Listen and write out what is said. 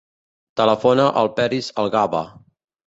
Telefona al Peris Algaba.